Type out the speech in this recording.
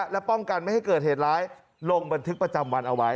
และป้องกันไม่ให้เกิดเหตุร้ายลงบันทึกประจำวันเอาไว้